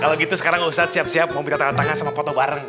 kalau gitu sekarang ustadz siap siap mau buka tangan tangan sama foto bareng